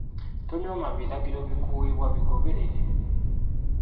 Tonyooma biragiro bikuweebwa, bigoberere.